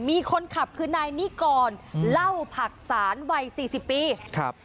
มีคนขับคือนายนิกรเล่าผักศาลวัยสี่สิบปีครับ